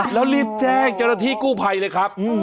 แล้วรีบแจ้งเจรถที่กู้ไพเลยครับ